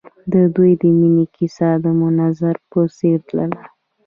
د دوی د مینې کیسه د منظر په څېر تلله.